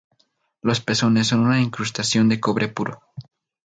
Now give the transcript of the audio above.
Los pezones son una incrustación de cobre puro.